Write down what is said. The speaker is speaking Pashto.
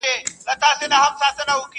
حیوانان له وهمه تښتي خپل پردی سي،